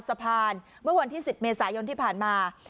สะพานวันที่สิบเมษายนที่ผ่านมา